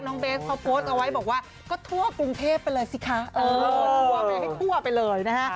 น้องเบสนะครับชอบโพสว์เอาไว้ว่าก็ทั่วกรุงเทพกิว่าไปเลยสิค่ะ